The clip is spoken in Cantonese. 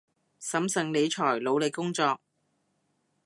審慎理財，努力工作